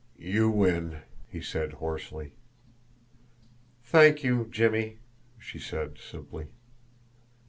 "You win!" he said hoarsely. "Thank you, Jimmie," she said simply.